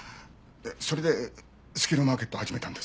それでスキルマーケットを始めたんです。